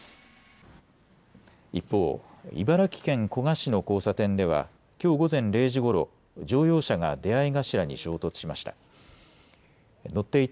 一方、茨城県古河市の交差点ではきょう午前０時ごろ乗用車が出合い頭に衝突しました。